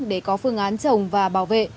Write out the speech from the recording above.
để có phương án trồng và bảo vệ